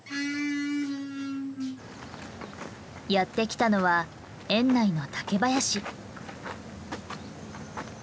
やってきたのは園内の竹林。